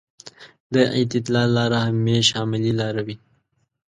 د اعتدال لاره همېش عملي لاره وي.